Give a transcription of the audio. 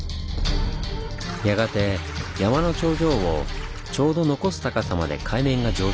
やがて山の頂上をちょうど残す高さまで海面が上昇。